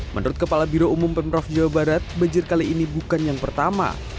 menurut kepala biro umum pemprov jawa barat banjir kali ini bukan yang pertama